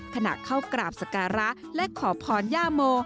ขณะเข้ากราบสการะและขอพรย่าโม